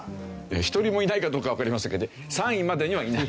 １人もいないかどうかはわかりませんけど３位までにはいない。